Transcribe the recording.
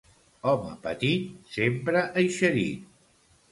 Home petit, sempre eixerit.